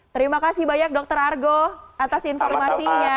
terima kasih banyak dokter argo atas informasinya